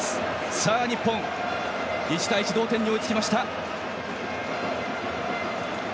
日本、１対１同点に追いつきました。